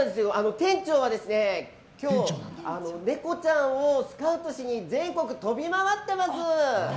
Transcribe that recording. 店長は今日ネコちゃんをスカウトしに全国を飛び回っています。